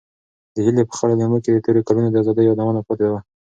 د هیلې په خړو لیمو کې د تېرو کلونو د ازادۍ یادونه پاتې وو.